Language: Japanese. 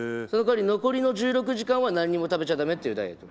その代わりに、残りの１６時間は何も食べちゃだめなの。